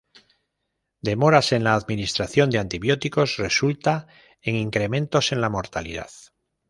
Demoras en la administración de antibióticos resulta en incrementos en la mortalidad.